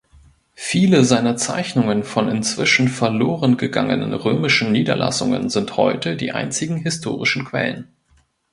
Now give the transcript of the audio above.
Viele seiner Zeichnungen von inzwischen verlorengegangenen römischen Niederlassungen sind heute die einzigen historischen Quellen.